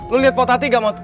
lo liat potati gak mat